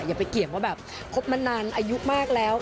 อย่าไปเกี่ยงว่าแบบคบมานานอายุมากแล้ว